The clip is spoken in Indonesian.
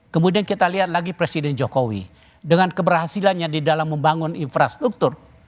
kemudian kita lihat lagi presiden jokowi dengan keberhasilannya di dalam membangun infrastruktur